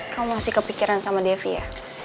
kamu masih kepikiran sama devi ya